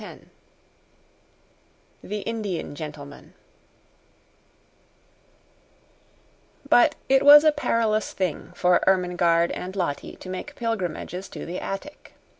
10 The Indian Gentleman But it was a perilous thing for Ermengarde and Lottie to make pilgrimages to the attic.